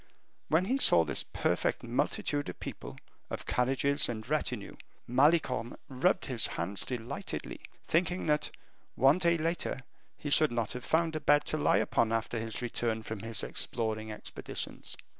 When he saw this perfect multitude of people, of carriages, and retinue, Malicorne rubbed his hands delightedly, thinking that, one day later, he should not have found a bed to lie upon after his return from his exploring expeditions.